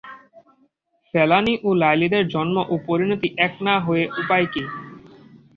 ফেলানী ও লাইলীদের জন্ম ও পরিণতি এক না হয়ে উপায় কী?